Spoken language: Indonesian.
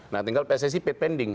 nah tinggal pssc paid pending